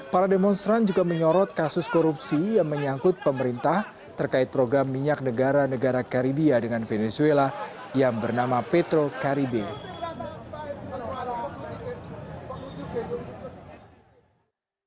para demonstran juga menyorot kasus korupsi yang menyangkut pemerintah terkait program minyak negara negara karibia dengan venezuela yang bernama petro karibia